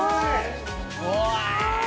「うわ！」